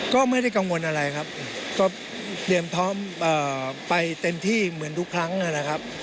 ก็ไม่ได้กังวลอะไรครับก็เตรียมพร้อมไปเต็มที่เหมือนทุกครั้งนะครับ